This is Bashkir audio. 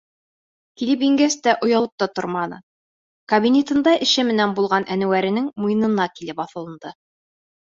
Килеп ингәс тә, оялып та торманы, кабинетында эш менән булған Әнүәренең муйынына килеп аҫылынды.